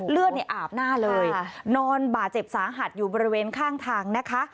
เลือดเนี่ยอาบหน้าเลยนอนบาดเจ็บสาหัสอยู่บริเวณข้างทางนะคะ